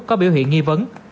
có biểu hiện nghi vấn